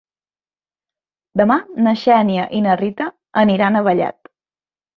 Demà na Xènia i na Rita aniran a Vallat.